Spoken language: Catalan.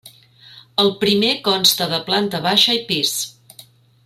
El primer consta de planta baixa i pis.